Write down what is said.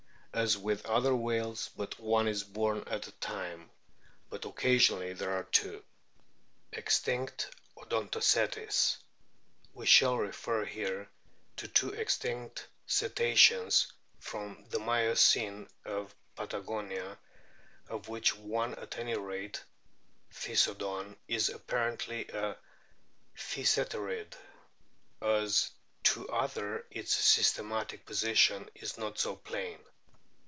As with other whales but one is born at a time, but occasionally there are two.* EXTINCT ODONTOCETES We shall refer here to two extinct Cetaceans from the Miocene of Patagonia, of which one at any rate Physodon is apparently a Physeterid. As to the other, its systematic position is not so plain.